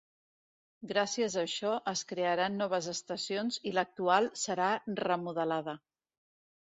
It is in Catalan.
Gràcies a això es crearan noves estacions i l'actual serà remodelada.